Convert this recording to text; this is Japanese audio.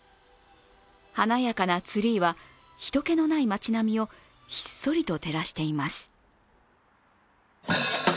華やかなツリーは人けのない街並みをひっそりと照らしています。